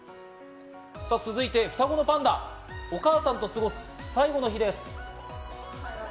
続いて双子のパンダ、お母さんと過ごす最後の日です。